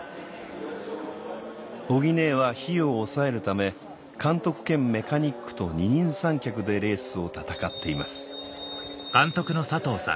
おぎねぇは費用を抑えるため監督兼メカニックと二人三脚でレースを戦っています